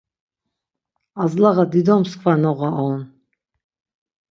Azlağa dido msǩva noğa on.